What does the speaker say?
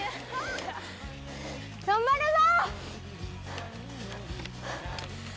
頑張るぞ！